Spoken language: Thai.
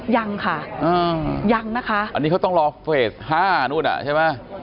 ยังค่ะอันนี้เขาต้องรอเฟส๕ใช่ไหม